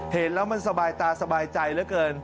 เห็นแล้วมันสบายตาสบายใจเหลือเกิน